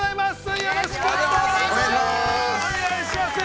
よろしくお願いします。